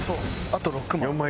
あと６万。